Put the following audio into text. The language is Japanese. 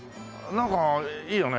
なんかいいよね。